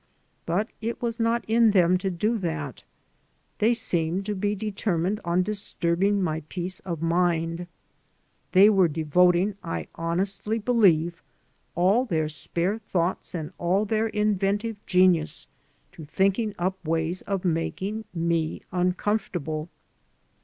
But it was not in them to do that. They seemed to be determined on disturbing my peace of mind. They were devoting, I honestly believe, all their spare thoughts and all their inventive genius to thinking up ways of making me uncomfortable.